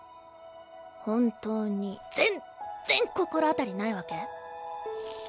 ほんとに全っ然心当たりないわけ？